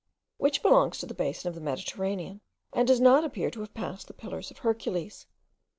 which belongs to the basin of the Mediterranean, and does not appear to have passed the Pillars of Hercules.